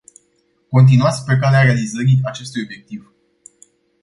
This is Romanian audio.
Continuați pe calea realizării acestui obiectiv.